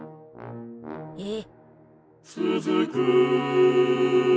えっ？